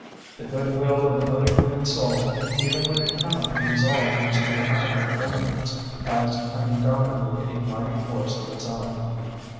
The good will of another human soul, even when it cannot be resolved into active benefits, has undoubtedly a mighty force of its own.